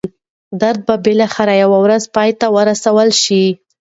درد به بالاخره یوه ورځ پای ته ورسول شي.